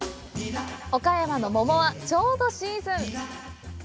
岡山の桃はちょうどシーズン！